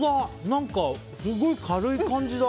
何かすごい軽い感じだ。